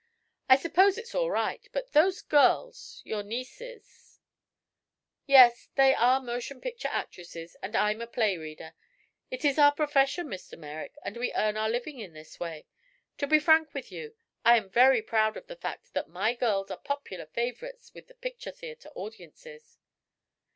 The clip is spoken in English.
I suppose it's all right; but those girls your nieces " "Yes, they are motion picture actresses, and I am a play reader. It is our profession, Mr. Merrick, and we earn our living in this way. To be frank with you, I am very proud of the fact that my girls are popular favorites with the picture theatre audiences."